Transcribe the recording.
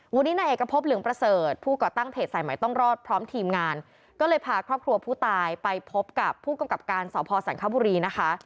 วันนี้นายเอกพบเหลืองประเสริฐผู้ก่อตั้งเพจสายใหม่ต้องรอดพร้อมทีมงานก็เลยพาครอบครัวผู้ตายไปพบกับผู้กำกับการสพสันคบุรีนะคะ